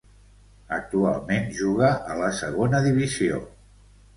Actualment juga a la Segona Divisió.